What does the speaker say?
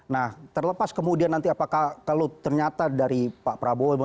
nah terlepas kemudian nanti apakah kalau ternyata dari pak prabowo